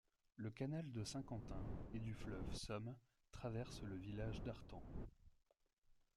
Le canal de Saint-Quentin et du fleuve Somme traverse le village d'Artemps.